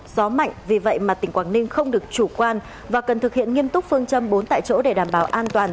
gió mạnh vì vậy mà tỉnh quảng ninh không được chủ quan và cần thực hiện nghiêm túc phương châm bốn tại chỗ để đảm bảo an toàn